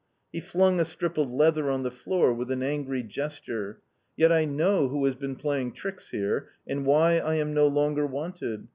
He flung a strip of leather on the floor with an angry gesture. "Yet I know who has been playing tricks here, and why I am no longer wanted.